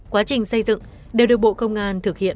quá trình xây dựng đều được bộ công an thực hiện